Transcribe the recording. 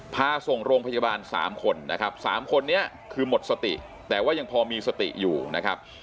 พาส่งโรงพยาบาล๓คนนะครับสามคนนี้คือหมดสติแต่ว่ายังพอมีสติอยู่นะครับ